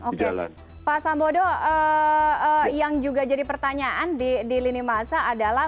oke pak sambodo yang juga jadi pertanyaan di lini masa adalah